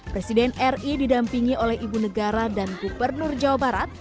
presiden ri didampingi oleh ibu negara dan gubernur jawa barat